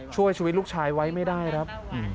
ช่วยชีวิตลูกชายไว้ไม่ได้ครับ